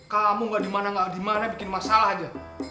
kamu gak dimana gak dimana bikin masalah aja